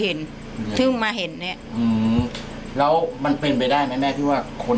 เห็นมาเห็นเนี้ยอืมแล้วมันเป็นไปได้แม่แม่ที่ว่าคน